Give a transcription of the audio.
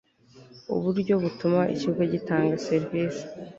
Uburyo butuma ikigo gitanga serivisi